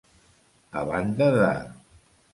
A banda de.